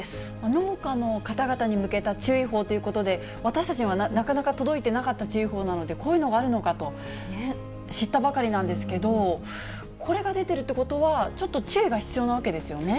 農家の方々に向けた注意報ということで、私たちにはなかなか届いてなかった注意報なので、こういうのがあるのかと知ったばかりなんですけど、これが出てるってことは、ちょっと注意が必要なわけですよね？